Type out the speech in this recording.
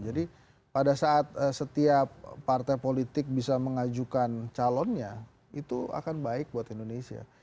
jadi pada saat setiap partai politik bisa mengajukan calonnya itu akan baik buat indonesia